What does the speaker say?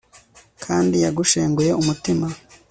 kandi yagushenguye umutima